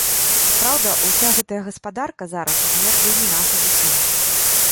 Праўда, уся гэта гаспадарка зараз ужо як бы і не наша зусім.